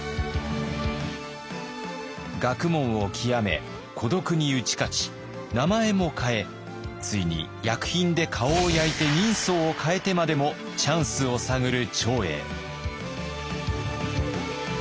学問を究め孤独に打ち勝ち名前も変えついに薬品で顔を焼いて人相を変えてまでもチャンスを探る長英。